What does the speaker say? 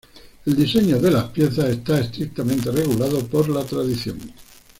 El diseño de las piezas está estrictamente regulado por la tradición.